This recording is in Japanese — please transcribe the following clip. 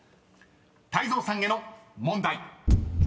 ［泰造さんへの問題］